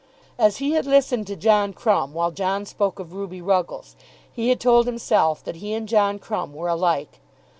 As he had listened to John Crumb while John spoke of Ruby Ruggles, he had told himself that he and John Crumb were alike.